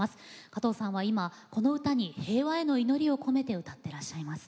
加藤さんは今、この歌を平和への祈りを込めて歌ってらっしゃいます。